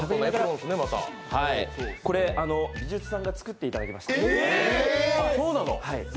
これ、技術さんが作っていただきまして。